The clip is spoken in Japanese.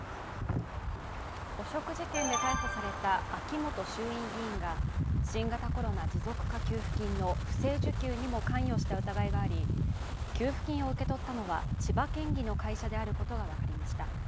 汚職事件で逮捕された秋本衆院議員が新型コロナ持続化給付金の不正受給にも関与した疑いがあり、給付金を受け取ったのは千葉県議の会社であることが分かりました。